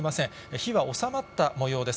火は収まったもようです。